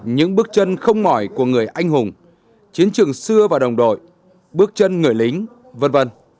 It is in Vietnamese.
những bước chân không mỏi của người anh hùng chiến trường xưa và đồng đội bước chân người lính v v